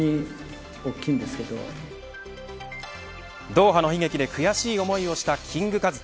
ドーハの悲劇で悔しい思いをしたキングカズ。